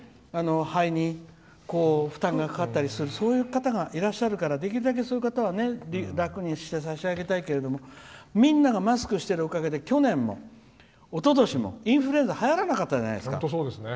肺に負担がかかったりするそういう方がいらっしゃるからできるだけそういう方は楽にしてさしあげたいけどみんながマスクをしているおかげで去年もおととしもインフルエンザがはやらなかったじゃないですか。